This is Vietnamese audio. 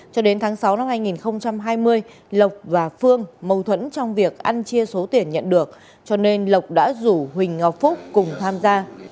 cho đến tháng sáu năm hai nghìn hai mươi lộc và phương mâu thuẫn trong việc ăn chia số tiền nhận được cho nên lộc đã rủ huỳnh ngọc phúc cùng tham gia